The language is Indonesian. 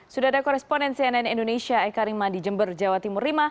sudah ada koresponen cnn indonesia eka rima di jember jawa timur